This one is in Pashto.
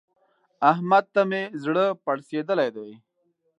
احمد ته مې زړه پړسېدلی دی.